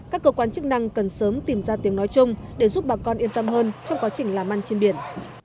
các cơ quan chức năng cần sớm tìm ra tiếng nói chung để giúp bà con yên tâm hơn trong quá trình làm ăn trên biển